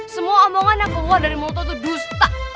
semua omongan yang keluar dari mulut lu tuh dusta